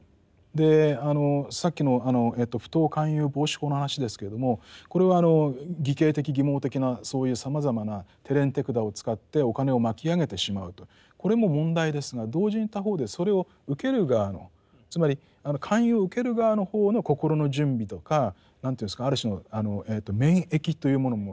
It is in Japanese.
でさっきの不当勧誘防止法の話ですけれどもこれは偽計的欺罔的なそういうさまざまな手練手管を使ってお金を巻き上げてしまうとこれも問題ですが同時に他方でそれを受ける側のつまり勧誘を受ける側の方の心の準備とか何ていうんですかある種の免疫というものも重要だと思うんですね。